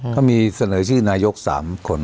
ก็มีเสนอชื่อนายก๓คน